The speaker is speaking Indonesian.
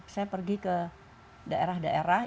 saya pergi ke daerah daerah